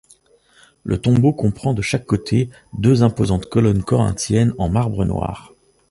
Le tombeau comprend de chaque côté deux imposantes colonnes corinthiennes en marbre noir.